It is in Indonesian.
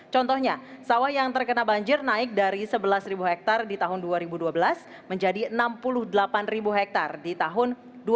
contohnya sawah yang terkena banjir naik dari sebelas hektare di tahun dua ribu dua belas menjadi enam puluh delapan hektare di tahun dua ribu dua puluh